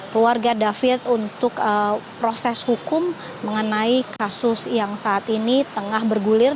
keluarga david untuk proses hukum mengenai kasus yang saat ini tengah bergulir